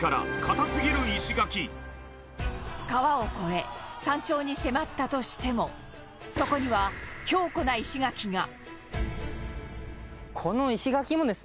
固すぎる石垣川を越え山頂に迫ったとしてもそこには強固な石垣が！